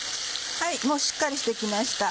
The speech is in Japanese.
もうしっかりして来ました。